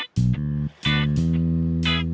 aku mau panggil nama atu